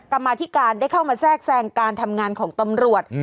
กรรมาธิการได้เข้ามาแทรกแทรงการทำงานของตำรวจ